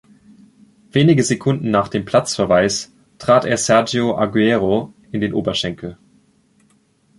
Wenige Sekunden nach dem Platzverweis trat er Sergio Agüero in den Oberschenkel.